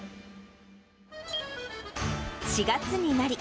４月になり、